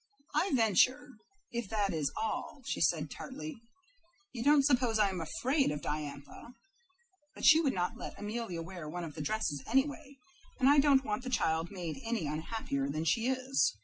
"I VENTURE, if that is all," said she, tartly. "You don't suppose I am afraid of Diantha? but she would not let Amelia wear one of the dresses, anyway, and I don't want the child made any unhappier than she is."